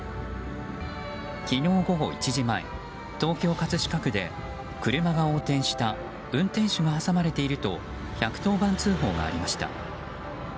昨日午後１時前、東京・葛飾区で車が横転した運転手が挟まれていると１１０番通報がありました。